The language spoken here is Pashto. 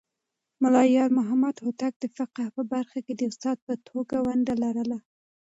ملا يارمحمد هوتک د فقهه په برخه کې د استاد په توګه ونډه لرله.